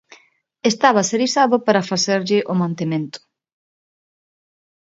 Estaba a ser izado para facerlle o mantemento.